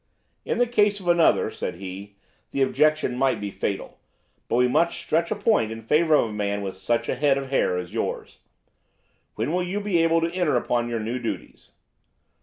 "'In the case of another,' said he, 'the objection might be fatal, but we must stretch a point in favour of a man with such a head of hair as yours. When shall you be able to enter upon your new duties?